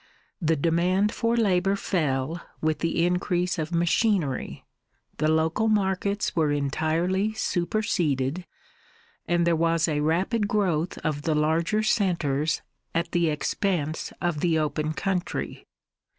The demand for labour fell with the increase of machinery, the local markets were entirely superseded, and there was a rapid growth of the larger centres at the expense of the open country.